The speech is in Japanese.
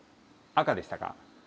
赤でした。